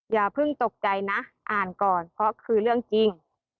อย่าเพิ่งตกใจนะอ่านก่อนเพราะคือเรื่องจริง